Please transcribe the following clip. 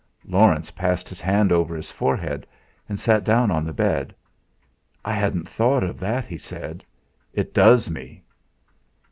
Laurence passed his hand over his forehead, and sat down on the bed. "I hadn't thought of that," he said; "It does me!"